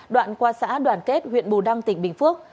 đoạn qua xã đoàn kết huyện bù đăng tỉnh bình phước